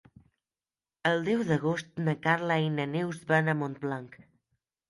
El deu d'agost na Carla i na Neus van a Montblanc.